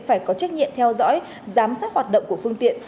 phải có trách nhiệm theo dõi giám sát hoạt động của phương tiện